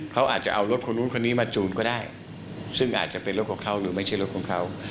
เขาอาจจะเอารถคนนู้นคนนี้มาจูนก็ได้ซึ่งอาจจะเป็นรถของเขาหรือไม่ใช่รถของเขา